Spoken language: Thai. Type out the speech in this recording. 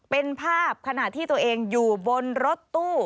เป็นภาพขณะที่ตัวเองอยู่บนรถตู้